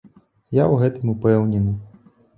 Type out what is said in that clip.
Я ў гэтым упэўнены.